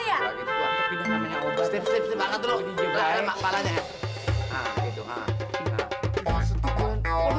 aduh bukan bener bener ini buat obatin orang